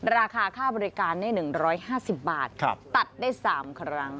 ราคาค่าบริการได้๑๕๐บาทตัดได้๓ครั้ง